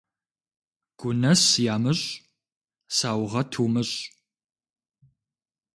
Гунэс ямыщӀ саугъэт умыщӀ.